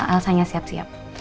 elsanya siap siap